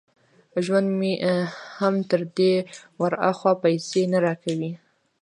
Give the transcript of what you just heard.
ژوند مې هم تر دې ور هاخوا پيسې نه را کوي.